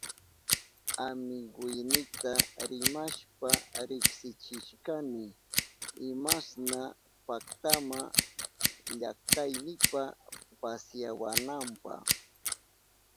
Amiguynita rimashpa riksichishkani imashna paktama llaktaynipa pasyawananpa.